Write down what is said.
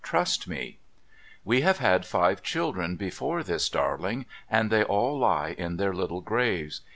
Trust me* ' We have had five cliildrcn before this darhng, and they all lie in their little graves.